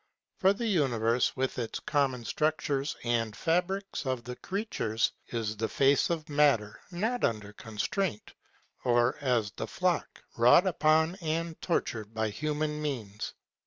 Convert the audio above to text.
For the universe, with the common structures, and fabrics of the creatures, is the face of matter, not under constraint, or as the flock wrought upon and tortured by human means.